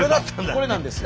これなんですよ。